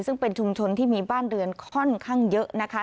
ซึ่งเป็นชุมชนที่มีบ้านเรือนค่อนข้างเยอะนะคะ